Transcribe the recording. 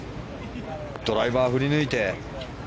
ドライバー、振り抜いて。